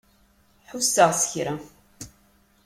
Ḥusseɣ s kra.